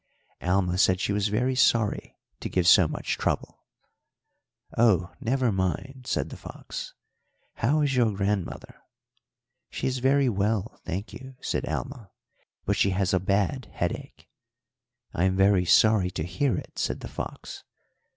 "Alma said she was very sorry to give so much trouble. "'Oh, never mind,' said the fox. 'How is your grandmother?' "'She is very well, thank you,' said Alma, 'but she has a bad headache.' "'I am very sorry to hear it,' said the fox.